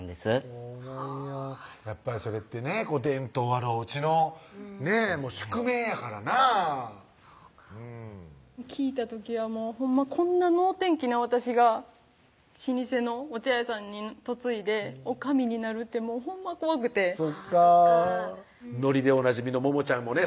そうなんややっぱりそれってね伝統あるおうちの宿命やからなぁ聞いた時はほんまこんな脳天気な私が老舗のお茶屋さんに嫁いで女将になるってほんま怖くてそっか乗りでおなじみのモモちゃんもね